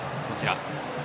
こちら。